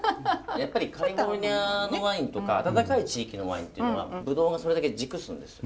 やっぱりカリフォルニアのワインとか暖かい地域のワインっていうのはブドウがそれだけ熟すんですよ。